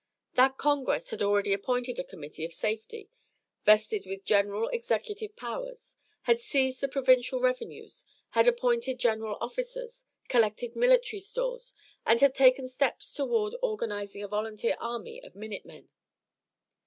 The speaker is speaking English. That congress had already appointed a committee of safety vested with general executive powers; had seized the provincial revenues; had appointed general officers, collected military stores, and had taken steps toward organizing a volunteer army of minute men.